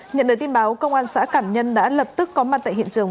nhận được tin báo công an xã cảm nhân đã lập tức có mặt tại hiện trường